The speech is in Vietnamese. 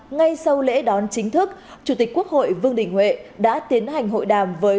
ngay sau lễ đón chính thức chủ tịch quốc hội vương đình huệ đã tiến hành hội đàm với